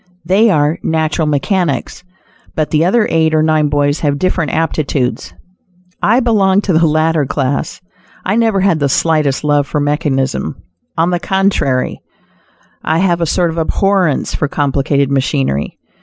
They are natural mechanics; but the other eight or nine boys have different aptitudes. I belong to the latter class; I never had the slightest love for mechanism; on the contrary, I have a sort of abhorrence for complicated machinery.